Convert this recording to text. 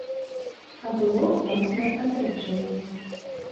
А было моцнае адраджэнне.